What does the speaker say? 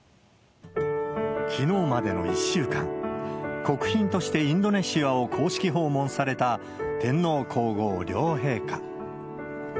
きのうまでの１週間、国賓としてインドネシアを公式訪問された天皇皇后両陛下。